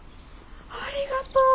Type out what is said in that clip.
ありがとう！